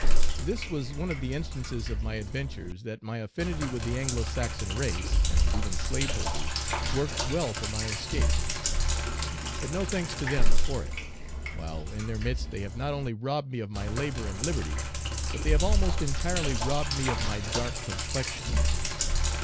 This was one of the instances of my adventures that my affinity with the Anglo Saxon race, and even slaveholders, worked well for my escape. But no thanks to them for it. While in their midst they have not only robbed me of my labor and liberty, but they have almost entirely robbed me of my dark complexion.